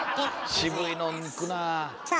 渋いのんいくなあ。